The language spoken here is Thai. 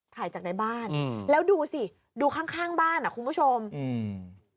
ถ่ายจากในบ้านอืมแล้วดูสิดูข้างข้างบ้านอ่ะคุณผู้ชมอืม